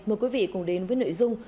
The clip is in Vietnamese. mời quý vị cùng đến với nội dung